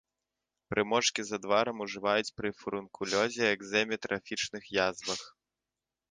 Прымочкі з адварам ужываюць пры фурункулёзе, экзэме, трафічных язвах.